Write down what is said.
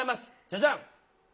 ジャジャン。